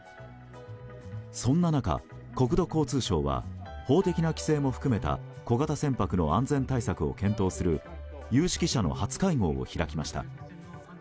そんな中、国土交通省は法的な規制も含めた小型船舶の安全対策を検討する有識者の初会合を開きました。